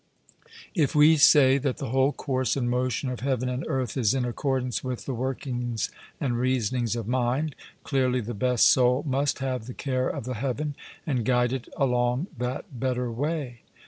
If we say that the whole course and motion of heaven and earth is in accordance with the workings and reasonings of mind, clearly the best soul must have the care of the heaven, and guide it along that better way.